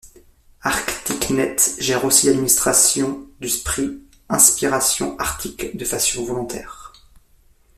ArcticNet gère aussi l’administration du Prix Inspiration Arctique de façon volontaire.